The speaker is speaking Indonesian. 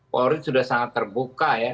polri sudah sangat terbuka ya